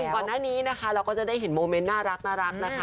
ใช่แล้ววันนี้เราก็จะได้เห็นโมเม้นต์น่ารักนะคะ